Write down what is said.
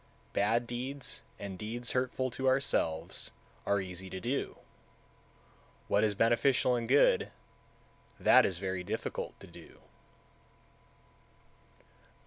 163. Bad deeds, and deeds hurtful to ourselves, are easy to do; what is beneficial and good, that is very difficult to do.